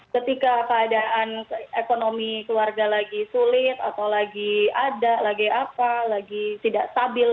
ketika keadaan ekonomi keluarga lagi sulit atau lagi ada lagi apa lagi tidak stabil